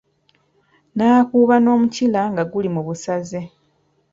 Naakuba n'omukira nga guli mu busaze.